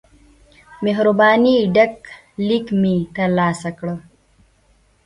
مهربانی ډک لیک مې ترلاسه کړ.